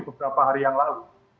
beberapa hari yang lalu